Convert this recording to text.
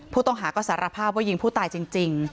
ผู้ต้องหาก็สารภาพว่ายิงผู้ตายจริง